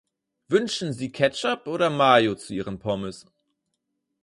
Wünschen Sie Ketchup oder Mayo zu Ihren Pommes?